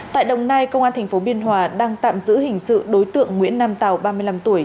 tại đồng nai công an tp biên hòa đang tạm giữ hình sự đối tượng nguyễn nam tàu ba mươi năm tuổi